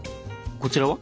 こちらは？